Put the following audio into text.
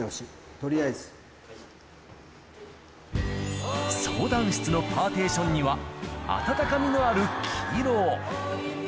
とりあえず。相談室のパーテーションには、温かみのある黄色を。